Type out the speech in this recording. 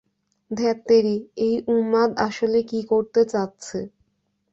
ধ্যাত্তেরি, এই উন্মাদ আসলে কী করতে চাচ্ছে?